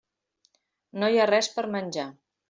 No hi ha res per menjar.